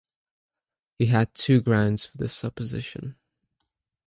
He had two grounds for this supposition.